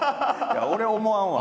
俺は思わんわ。